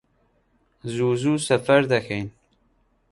زوو زوو سەفەر دەکەین